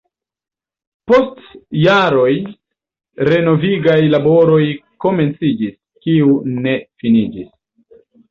Post jaroj renovigaj laboroj komenciĝis, kiu ne finiĝis.